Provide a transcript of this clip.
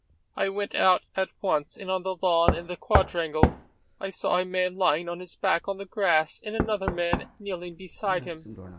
I went out at once, and on the lawn in the quadrangle I saw a man lying on his back on the grass and another man kneeling beside him.